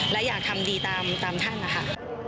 และอยากทำดีตามท่านนะคะ